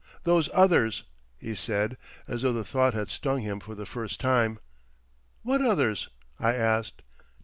"Those others!" he said, as though the thought had stung him for the first time. "What others?" I asked.